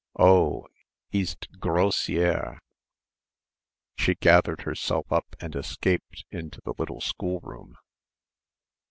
"Oh, c'est grossière!" She gathered herself up and escaped into the little schoolroom.